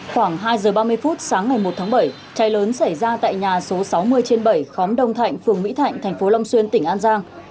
khoảng hai giờ ba mươi phút sáng ngày một tháng bảy cháy lớn xảy ra tại nhà số sáu mươi trên bảy khóm đông thạnh phường mỹ thạnh thành phố long xuyên tỉnh an giang